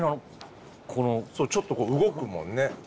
ちょっとこう動くもんね。